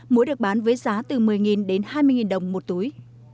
muối được bán với giá từ một mươi đến hai mươi đồng một túi